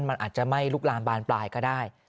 มันอาจจะไม่ลุกลามบานปลายก็ได้